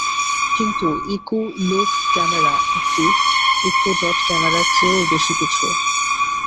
কিন্তু Echo Look camera একটি Echo Dot ক্যামেরার চেয়েও বেশি কিছু।